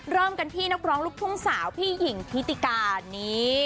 เริ่มกันที่นักร้องลูกทุ่งสาวพี่หญิงทิติการนี้